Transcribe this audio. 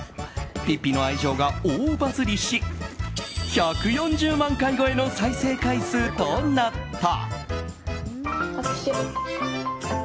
ピッピの愛情が大バズりし１４０万回超えの再生回数となった。